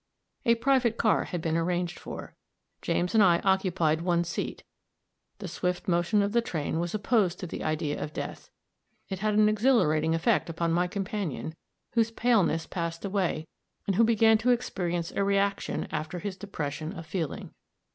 A private car had been arranged for. James and I occupied one seat; the swift motion of the train was opposed to the idea of death; it had an exhilarating effect upon my companion, whose paleness passed away, and who began to experience a reäction after his depression of feeling.